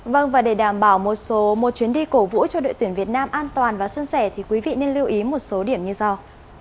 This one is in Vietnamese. vâng và để đảm bảo một số một chuyến đi cổ vũ cho đội tuyển việt nam an toàn và xuân sẻ thì quý vị nên lưu ý một số điểm như sau